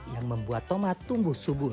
yang membuat tomat tumbuh subur